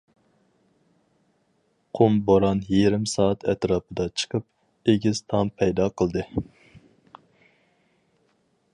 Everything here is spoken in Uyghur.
قۇم بوران يېرىم سائەت ئەتراپىدا چىقىپ، ئېگىز تام پەيدا قىلدى.